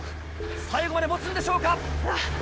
最後まで持つんでしょうか？